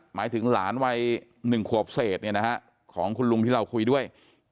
หมายถึงหลานวัย๑ขวบเศษของคุณลุงที่เราคุยด้วย